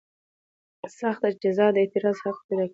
سخته جزا د اعتراض حق پیدا کوي.